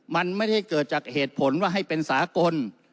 มันไม่ได้เกิดจากเหตุผลว่าให้เป็นสากล